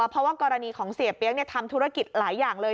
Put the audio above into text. เพราะว่ากรณีของเสียเปี๊ยกทำธุรกิจหลายอย่างเลย